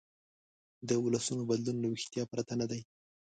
د ولسونو بدلون له ویښتیا پرته نه دی.